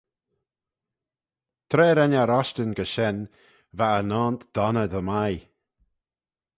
Tra ren eh roshtyn gys shen va e naunt donney dy mie.